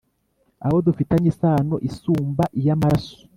abo dufitanye isano isumba iy’amaraso